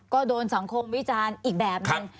ก็โดนสังคมวิจารณ์อีกแบบนึง